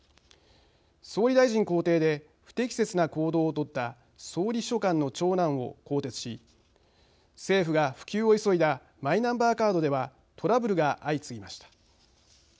総理大臣公邸で不適切な行動を取った総理秘書官の長男を更迭し政府が普及を急いだマイナンバーカードではトラブルが相次ぎました。